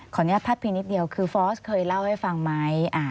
อนุญาตพัดเพียงนิดเดียวคือฟอสเคยเล่าให้ฟังไหม